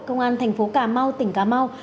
công an thành phố cà mau tỉnh cà mau